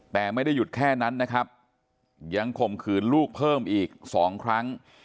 แต่ไม่ได้หยุดแค่นั้นนะครับยังข่มขืนลูกเพิ่มอีก๒ครั้ง